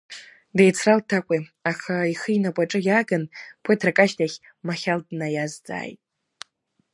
Деицралт Ҭакәи, аха ихы инапаҿы иааган, ԥыҭрак ашьҭахь Махьал днаиазҵааит.